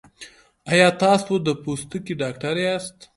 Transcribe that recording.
ایا تاسو د پوستکي ډاکټر یاست؟